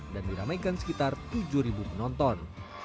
dan diramaikan sekitar tujuh penonton